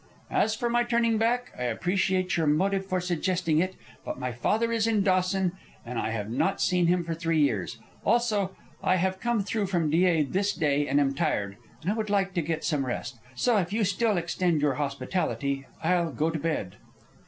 As for my turning back, I appreciate your motive for suggesting it, but my father is in Dawson, and I have not seen him for three years. Also, I have come through from Dyea this day, and am tired, and I would like to get some rest. So, if you still extend your hospitality, I'll go to bed."